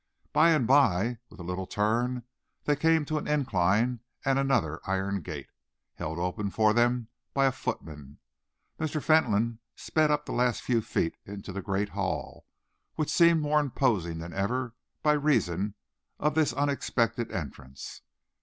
By and by, with a little turn, they came to an incline and another iron gate, held open for them by a footman. Mr. Fentolin sped up the last few feet into the great hall, which seemed more imposing than ever by reason of this unexpected entrance.